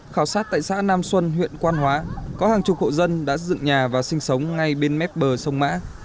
khảo sát tại xã nam xuân huyện quan hóa có hàng chục hộ dân đã dựng nhà và sinh sống ngay bên mép bờ sông mã